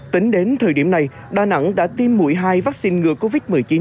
tính đến thời điểm này đà nẵng đã tiêm mũi hai vaccine ngừa covid một mươi chín